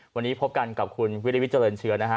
วันนี้พบกันกับคุณวิริวิทเจริญเชื้อนะฮะ